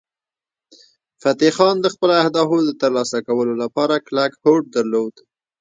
فتح خان د خپلو اهدافو د ترلاسه کولو لپاره کلک هوډ درلود.